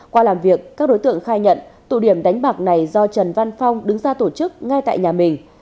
qua làm việc các đối tượng khai nhận tụ điểm đánh bạc này do trần văn phong đứng ra tổ chức ngay tại nhà mình